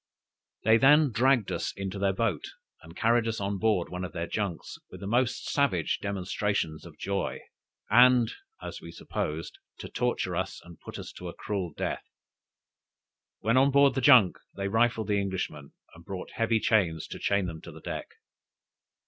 They then dragged us into their boat, and carried us on board one of their junks, with the most savage demonstrations of joy, and, as we supposed, to torture and put us to a cruel death." When on board the junk they rifled the Englishmen, and brought heavy chains to chain them to the deck.